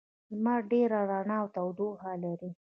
لمر ډېره رڼا او تودوخه لري.